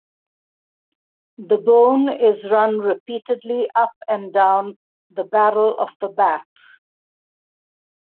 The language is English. The bone is run repeatedly up and down the barrel of the bat.